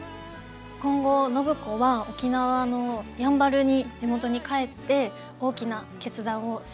今後暢子は沖縄のやんばるに地元に帰って大きな決断をします。